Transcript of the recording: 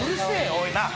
おいなあ。